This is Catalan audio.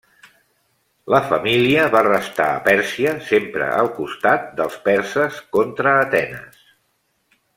La família va restar a Pèrsia sempre al costat dels perses contra Atenes.